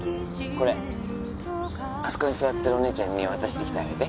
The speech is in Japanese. これあそこに座ってるお姉ちゃんに渡してきてあげて